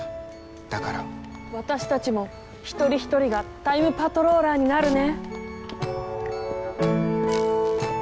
私たちも一人一人がタイムパトローラーになるね。